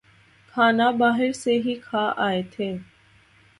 کھانا باہر سے ہی کھا آئے تھے